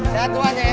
sehat semuanya ya